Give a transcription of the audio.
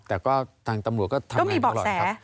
แต่ก็ทางตำรวจก็ทำงานตลอดครับ